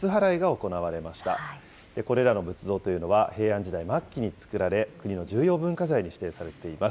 これらの仏像というのは、平安時代末期に作られ、国の重要文化財に指定されています。